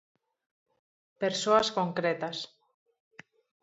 Persoas concretas.